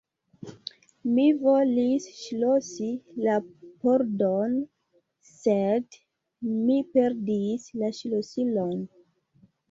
Mi volis ŝlosi la pordon, sed mi perdis la ŝlosilon.